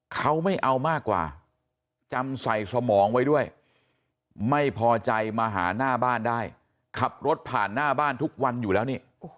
เขาไม่เอามากกว่าจำใส่สมองไว้ด้วยไม่พอใจมาหาหน้าบ้านได้ขับรถผ่านหน้าบ้านทุกวันอยู่แล้วนี่